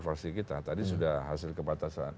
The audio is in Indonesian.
versi kita tadi sudah hasil kebatasan